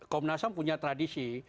komnasam punya tradisi